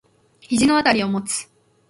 肘のあたりを持つ。